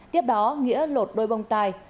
tiếp đó nghĩa lột đôi bông tai